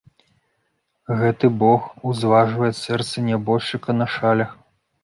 Гэты бог узважвае сэрца нябожчыка на шалях.